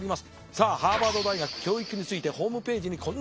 さあハーバード大学教育についてホームページにこんな使命を掲げております。